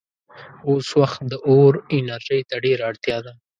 اوس وخت د اور انرژۍ ته ډېره اړتیا ده.